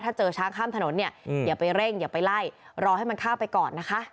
ถ้าเจอช้างข้ามถนนเนี่ยอย่าไปเร่งอย่าไปไล่รอให้มันข้ามไปก่อนนะคะ